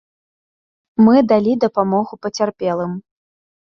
Мы далі дапамогу пацярпелым.